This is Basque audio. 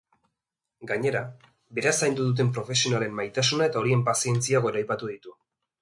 Gainera, bera zaindu duten profesionalen maitasuna eta horien pazientzia goraipatu ditu.